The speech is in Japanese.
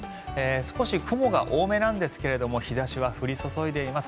少し雲が多めなんですけど日差しは降り注いでいます。